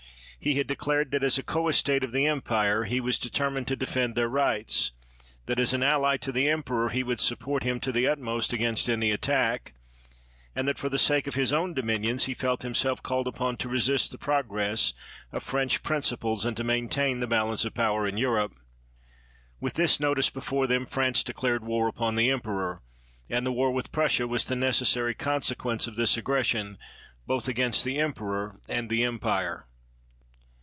He had declared that as a coestate of the empire he was determined to defend their rights; that as an ally to the emperor he would support him to the utmost against any attack; and that for the sake of his own dominions he felt himself »OnAprU20, 1792. PITT called upon to resist the progress of French principles and to maintain the balance of power in Europe. With this notice before them, France declared war upon the emperor, and the war with Prussia was the necessary consequence of this aggression, both against the emperor and the empire.